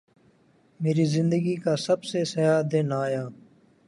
میری زندگی کا سب سے سیاہ دن آیا